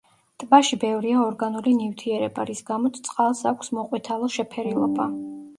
ტბაში ბევრია ორგანული ნივთიერება, რის გამოც წყალს აქვს მოყვითალო შეფერილობა.